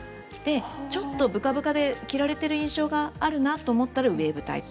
ちょっとぶかぶかで着られている印象があればウエーブタイプ。